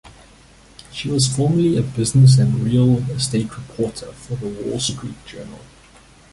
She formerly was a business and real estate reporter for "The Wall Street Journal".